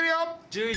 １１！